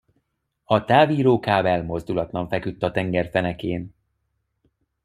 A távírókábel mozdulatlan feküdt a tenger fenekén.